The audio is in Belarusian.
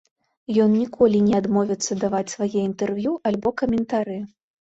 Ён ніколі не адмовіцца даваць свае інтэрв'ю альбо каментары.